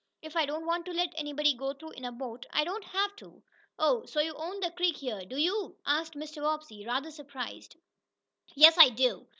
If I don't want to let anybody go through in a boat, I don't have to." "Oh, so you own the creek here, do you?" asked Mr. Bobbsey, rather surprised. "Yes, I do."